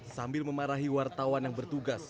sambil memarahi wartawan yang bertugas